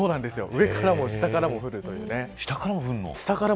上からも下からも降るというね。